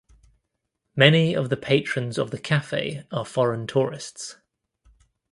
Many of the patrons of the cafe are foreign tourists.